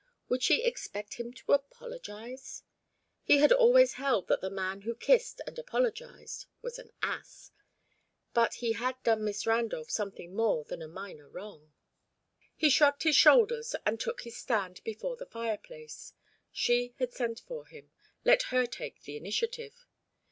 Would she expect him to apologise? He had always held that the man who kissed and apologised was an ass. But he had done Miss Randolph something more than a minor wrong. He shrugged his shoulders and took his stand before the fireplace. She had sent for him; let her take the initiative.